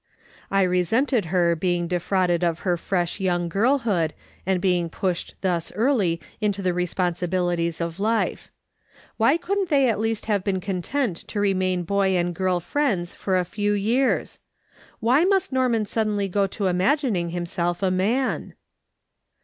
I resented her being defrauded of her fresh young girlhood, and being pushed tluis early into the responsibilities of lite. AVhy couldn't they at least have been content to remain boy and girl friends for a i^^ years ? Why must Norman suddenly go to imagining himself a man